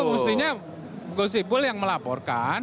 mestinya gus ipul yang melaporkan